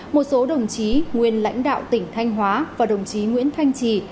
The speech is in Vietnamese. một số đồng chí nguyên lãnh đạo tỉnh thanh hóa và đồng chí nguyễn thanh trì